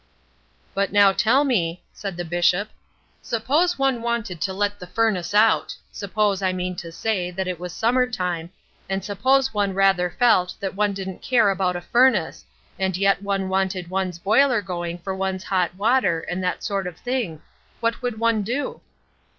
"'But now tell me,' said the Bishop, 'suppose one wanted to let the furnace out suppose, I mean to say, that it was summer time, and suppose one rather felt that one didn't care about a furnace and yet one wanted one's boiler going for one's hot water, and that sort of thing, what would one do?'